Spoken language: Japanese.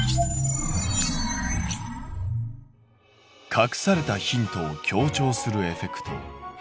隠されたヒントを強調するエフェクト。